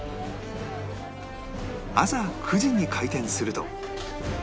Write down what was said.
朝９時に開店すると